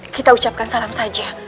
kita ucapkan salam saja